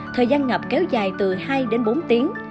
thời gian ngập kéo dài từ hai đến bốn tiếng